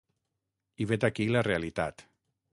I vet aquí la realitat.